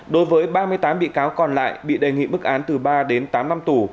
đối với ba mươi tám bị cáo còn lại bị đề nghị bức án từ ba tám năm tù